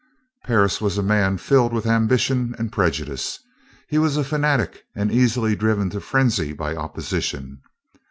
Parris was a man filled with ambition and prejudice. He was a fanatic and easily driven to frenzy by opposition.